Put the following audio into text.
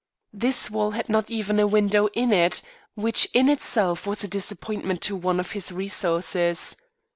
This wall had not even a window in it; which in itself was a disappointment to one of his resources.